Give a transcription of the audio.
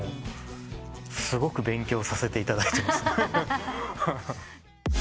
すごく勉強させていただいてます。